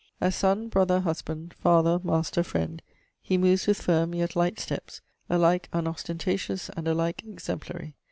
As son, brother, husband, father, master, friend, he moves with firm yet light steps, alike unostentatious, and alike exemplary.